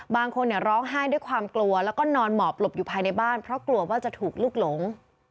บางคนร้องไห้ด้วยความกลัวแล้วก็นอนหมอบหลบอยู่ภายในบ้านเพราะกลัวว่าจะถูกลุกหลง